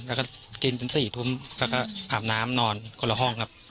แล้วก็กินถึง๔ทุ่มแล้วก็อาบน้ำนอนคนละห้องครับ